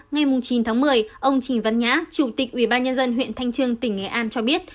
ngày chín tháng một mươi ông trình văn nhã chủ tịch ủy ban nhân dân huyện thanh trương tỉnh nghệ an cho biết